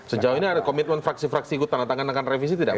sejauh ini ada komitmen fraksi fraksi ikut tangan tangan revisi tidak pak